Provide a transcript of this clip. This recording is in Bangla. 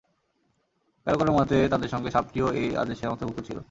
কারো কারো মতে, তাদের সঙ্গে সাপটিও এ আদেশের অন্তর্ভুক্ত ছিল।